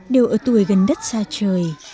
đều ở tuổi gần đất xa trời